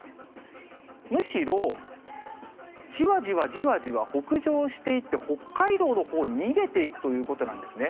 むしろ、じわじわじわじわ北上していって、北海道のほうに逃げていくということなんですね。